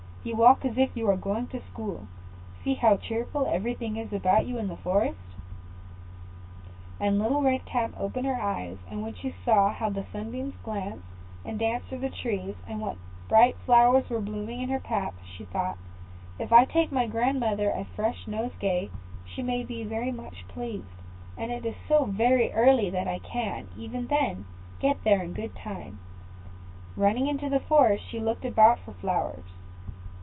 You walk as if you were going to school; see how cheerful everything is about you in the forest." And Little Red Cap opened her eyes; and when she saw how the sunbeams glanced and danced through the trees, and what bright flowers were blooming in her path, she thought, "If I take my grandmother a fresh nosegay, she will be very much pleased; and it is so very early that I can, even then, get there in good time;" and running into the forest, she looked about for flowers.